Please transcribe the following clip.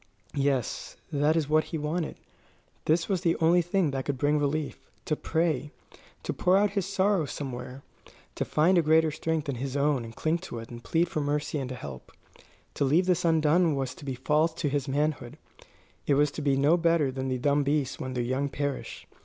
Yes; this was what he wanted this was the only thing that could bring relief: to pray; to pour out his sorrow somewhere; to find a greater strength than his own and cling to it and plead for mercy and help. To leave this undone was to be false to his manhood; it was to be no better than the dumb beasts when their young perish.